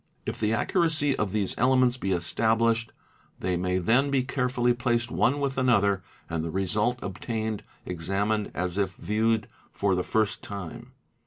If the accuracy of these elements be established, they may then be carefully placed one with nother and the result obtained examined as if viewed for the first time.